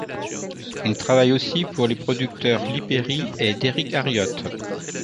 Ils travaillent aussi pour les producteurs Lee Perry et Derrick Harriott.